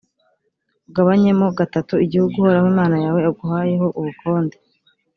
ugabanyemo gatatu igihugu uhoraho imana yawe aguhayeho ubukonde,